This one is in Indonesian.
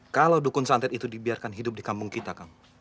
kalau dukun santet itu dibiarkan hidup di kampung kita